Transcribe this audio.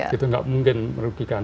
itu nggak mungkin merugikan